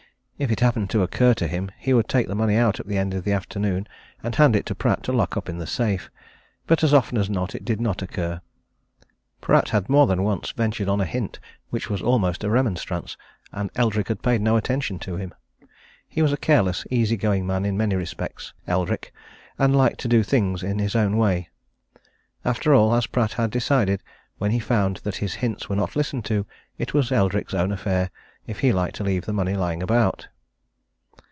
If it happened to occur to him, he would take the money out at the end of the afternoon and hand it to Pratt to lock up in the safe; but as often as not, it did not occur. Pratt had more than once ventured on a hint which was almost a remonstrance, and Eldrick had paid no attention to him. He was a careless, easy going man in many respects, Eldrick, and liked to do things in his own way. And after all, as Pratt had decided, when he found that his hints were not listened to, it was Eldrick's own affair if he liked to leave the money lying about.